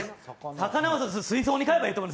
魚は水槽に飼えばいいと思う。